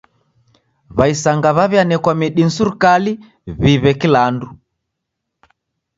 W'aisanga w'aw'ianekwa midi ni serikali w'iw'e kula andu.